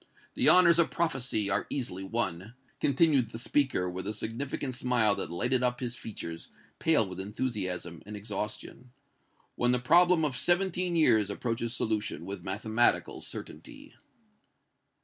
The honors of prophecy are easily won," continued the speaker, with a significant smile that lighted up his features, pale with enthusiasm and exhaustion, "when the problem of seventeen years approaches solution with mathematical certainty!"